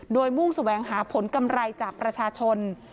โดยมุ่งแสวงหาผลกำไรจากประชาชน